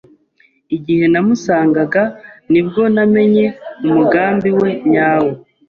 Igihe namusangaga ni bwo namenye umugambi we nyawo.